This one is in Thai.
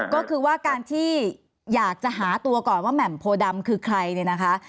ก็คือว่าการที่อยากจะหาตัวก่อนว่าแหม่มโพดำคือใครเนี่ยนะคะ